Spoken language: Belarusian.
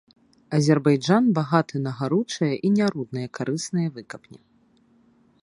Азербайджан багаты на гаручыя і нярудныя карысныя выкапні.